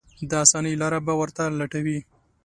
د اسانۍ لارې به ورته لټوي.